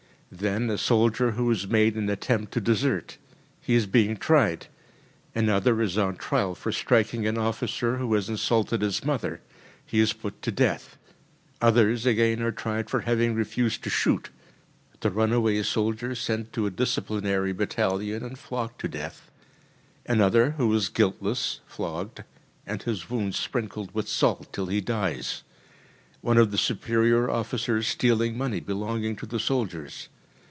Then a soldier who has made an attempt to desert. He is being tried. Another is on trial for striking an officer who has insulted his mother. He is put to death. Others, again, are tried for having refused to shoot. The runaway soldier sent to a disciplinary battalion and flogged to death. Another, who is guiltless, flogged, and his wounds sprinkled with salt till he dies. One of the superior officers stealing money belonging to the soldiers.